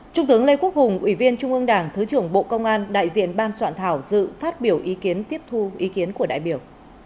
trung tướng lê quốc hùng ủy viên trung ương đảng thứ trưởng bộ công an đại diện ban soạn thảo dự phát biểu ý kiến tiếp thu ý kiến của đại biểu